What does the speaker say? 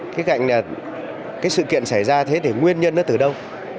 khía cạnh là sự kiện xảy ra thế thì nguyên nhân nó từ đâu